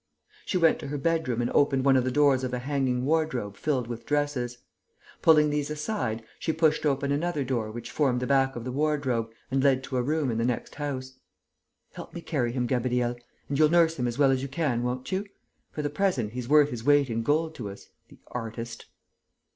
She went to her bedroom and opened one of the doors of a hanging wardrobe filled with dresses. Pulling these aside, she pushed open another door which formed the back of the wardrobe and led to a room in the next house: "Help me carry him, Gabriel. And you'll nurse him as well as you can, won't you? For the present, he's worth his weight in gold to us, the artist!..."